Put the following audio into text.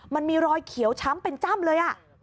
มันมีรอยเขียวช้ำเป็นจ้ำเลย